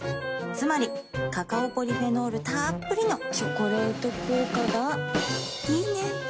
つまりカカオポリフェノールたっぷりの「チョコレート効果」がいいね。